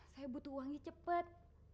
saya butuh uangnya cepet